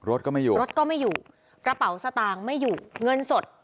รถก็ไม่อยู่รถก็ไม่อยู่กระเป๋าสตางค์ไม่อยู่เงินสด